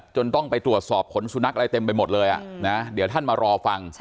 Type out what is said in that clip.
ต้องไปตรวจสอบขนสุนัขอะไรเต็มไปหมดเลยเดี๋ยวท่านมารอฟัง